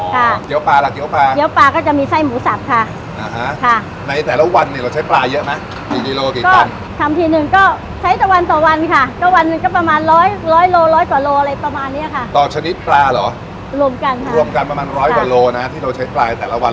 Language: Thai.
เกี๊ยวปลาละเกี๊ยวปลาเกี๊ยวปลาก็จะมีไส้หมูสับค่ะคะนะฮะตั้งแต่ละวันเนี่ยเราใช้ปลาเยอะไหม